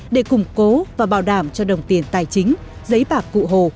để củng cố và bảo đảm cho đồng tiền tài chính giấy bạc cụ hồ